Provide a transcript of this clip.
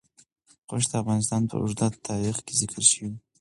غوښې د افغانستان په اوږده تاریخ کې ذکر شوي دي.